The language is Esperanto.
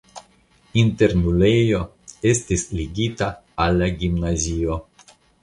Internulejo estis ligita al la gimnazio.